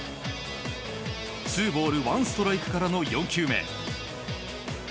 ツーボールワンストライクからの４球目。